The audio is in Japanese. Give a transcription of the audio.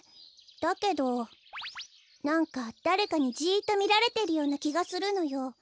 だけどなんかだれかにジッとみられてるようなきがするのよ。